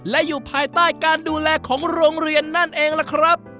และอยู่ภายใต้การดูแลของโรงเรียนนั่นเองล่ะครับ